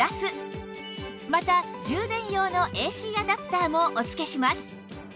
また充電用の ＡＣ アダプターもお付けします